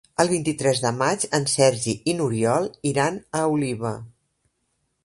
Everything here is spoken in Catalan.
El vint-i-tres de maig en Sergi i n'Oriol iran a Oliva.